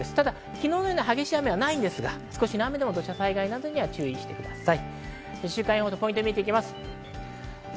昨日のような激しい雨はないんですが、土砂災害などにはご注意ください。